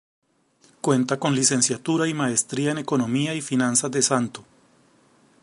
Cuenta con licenciatura y maestría en Economía y Finanzas de St.